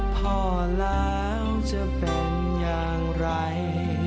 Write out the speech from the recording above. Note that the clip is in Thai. พ่อแล้วจะเป็นอย่างไร